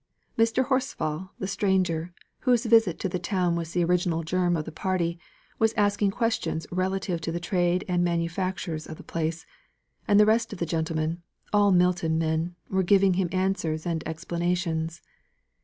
Mr. Horsfall, the stranger, whose visit to the town was the original germ of the party, was asking questions relative to the trade and manufactures of the place; and the rest of the gentlemen all Milton men were giving him answers and explanations.